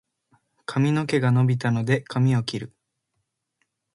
髪の毛が伸びたので、髪を切る。